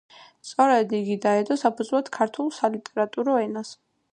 სწორედ იგი დაედო საფუძვლად ქართულ სალიტერატურო ენას.